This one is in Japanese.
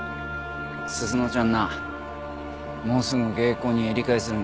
鈴乃ちゃんなもうすぐ芸妓に襟替えするんだ。